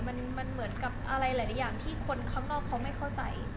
มันเหมือนกับอะไรหลายอย่างที่คนข้างนอกเขาไม่เข้าใจ